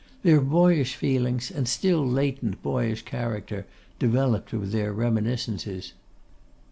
Their boyish feelings, and still latent boyish character, developed with their reminiscences.